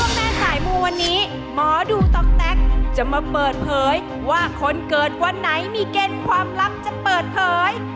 แม่สายมูวันนี้หมอดูต๊อกแต๊กจะมาเปิดเผยว่าคนเกิดวันไหนมีเกณฑ์ความลับจะเปิดเผย